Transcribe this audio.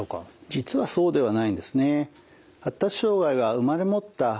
実はそうではないんですね。